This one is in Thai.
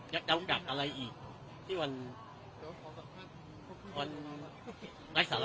จะเจ้ากัดอะไรอีกที่วันวันไร้สาระ